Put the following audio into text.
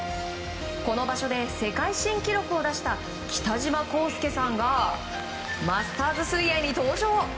この場所で世界新記録を出した北島康介さんがマスターズ水泳に登場！